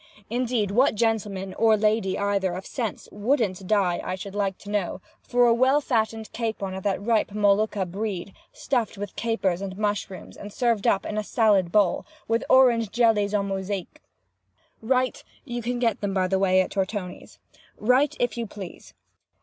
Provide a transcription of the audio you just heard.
Indeed what gentleman (or lady either) of sense, wouldn't die, I should like to know, for a well fattened capon of the right Molucca breed, stuffed with capers and mushrooms, and served up in a salad bowl, with orange jellies en mosaïques. Write! (You can get them that way at Tortoni's)—Write, if you please!